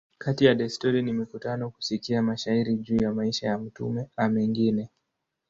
Kati ya desturi ni mikutano, kusikia mashairi juu ya maisha ya mtume a mengine.